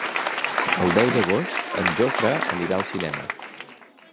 El deu d'agost en Jofre anirà al cinema.